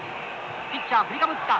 ピッチャー振りかぶった。